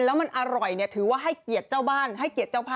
แล้วมันอร่อยนะถือว่าให้เกียจเจ้าบ้านให้เกียจเจ้าภาพด